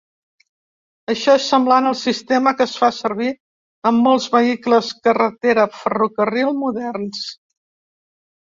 Això és semblant al sistema que es fa servir en molts vehicles carretera/ferrocarril moderns.